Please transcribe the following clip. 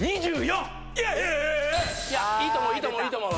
２４！いやいいと思う。